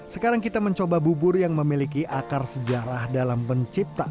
sekarang kita mencoba bubur yang memiliki akar sejarah dalam penciptaan